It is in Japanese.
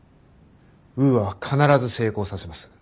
ウーアは必ず成功させます。